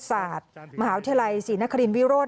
ศาสตร์มหาวิทยาลัยศรีนครินวิโรธ